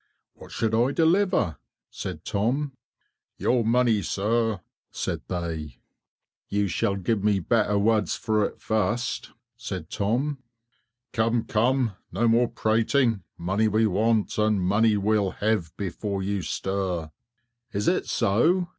"What should I deliver?" said Tom. "Your money, sirrah," said they. "You shall give me better words for it first," said Tom. "Come, come, no more prating; money we want, and money we'll have before you stir." "Is it so?"